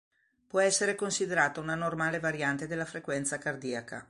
Può essere considerata una normale variante della frequenza cardiaca.